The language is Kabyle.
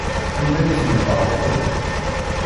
Anda ay ten-tɛerḍem?